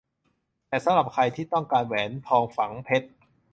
แต่สำหรับใครที่ต้องการแหวนทองฝังเพชร